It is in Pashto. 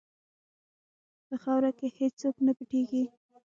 په خاوره کې هېڅ څوک نه پټیږي.